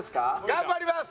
頑張ります。